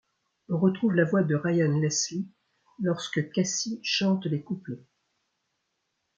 On retrouve la voix de Ryan Leslie lorsque Cassie chante les couplets.